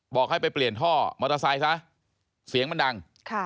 บอกให้ไปเปลี่ยนท่อมอเตอร์ไซค์ซะเสียงมันดัง